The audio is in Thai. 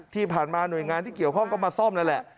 ที่ผ่านมาหน่วยงานที่เกี่ยวข้องก็มาซ่อมนั่นแหละ